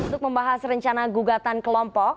untuk membahas rencana gugatan kelompok